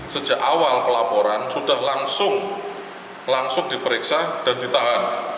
sejak awal pelaporan sudah langsung diperiksa dan ditahan